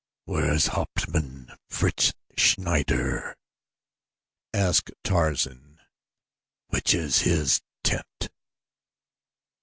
"Where is Hauptmann Fritz Schneider?" asked Tarzan, "Which is his tent?"